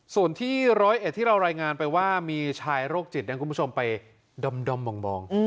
ส่วนที่ร้อยเอ็ดที่เรารายงานไปว่ามีชายโรคจิตนั้นคุณผู้ชมไปดอมมอง